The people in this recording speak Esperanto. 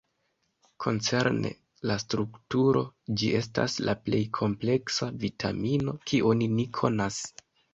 Koncerne la strukturo ĝi estas la plej kompleksa vitamino kiun ni konas.